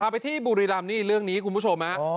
ไปที่บุรีรำนี่เรื่องนี้คุณผู้ชมฮะ